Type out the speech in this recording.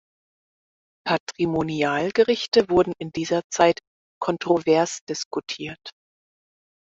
Patrimonialgerichte wurden in dieser Zeit kontrovers diskutiert.